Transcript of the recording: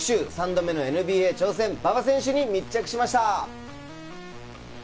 ３度目のＮＢＡ挑戦、馬場選手に密着しました。